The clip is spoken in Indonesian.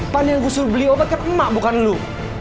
pan yang gusur beli obat kan emak bukan lu